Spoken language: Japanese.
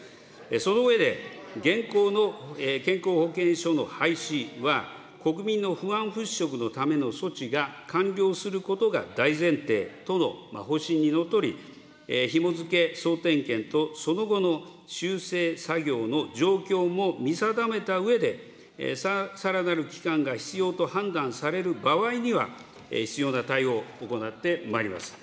その上で、現行の健康保険証の廃止は、国民の不安払拭のための措置が完了することが大前提との方針にのっとり、ひも付け総点検とその後の修正作業の状況も見定めたうえで、さらなる期間が必要と判断される場合には、必要な対応を行ってまいります。